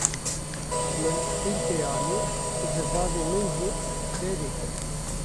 Min qîm pê anî; zirbavê min jî berê kir.